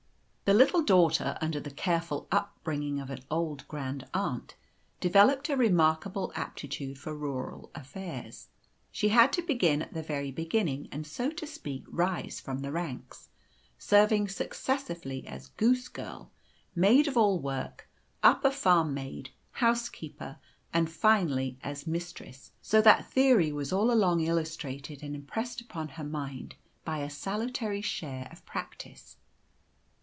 The little daughter, under the careful up bringing of an old grand aunt, developed a remarkable aptitude for rural affairs. She had to begin at the very beginning, and, so to speak, rise from the ranks, serving successively as goose girl, maid of all work, upper farm maid, housekeeper, and, finally, as mistress, so that Theory was all along illustrated and impressed upon her mind by a salutary share of Practice.